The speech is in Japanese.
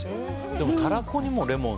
でもタラコにもレモン。